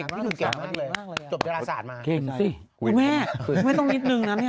นี่คือเก่งมากเลยจบราศาสตร์มาเก่งสิคุณแม่ไม่ต้องนิดนึงนะเนี่ย